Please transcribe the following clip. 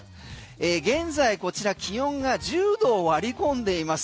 現在こちら気温が１０度を割り込んでいます。